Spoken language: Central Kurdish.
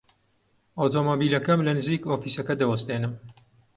ئۆتۆمۆمبیلەکەم لە نزیک ئۆفیسەکە دەوەستێنم.